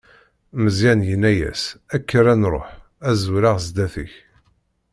Meẓyan yenna-as: Kker ad nṛuḥ, ad zwireɣ zdat-k.